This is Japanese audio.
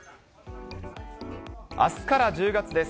あすから１０月です。